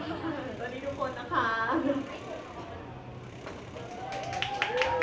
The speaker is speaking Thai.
สวัสดีทุกคนนะคะ